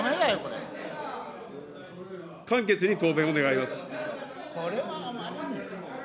簡潔に答弁を願います。